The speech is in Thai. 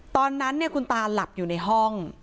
ตอนนั้นคุณตาหลับอยู่ในห้อง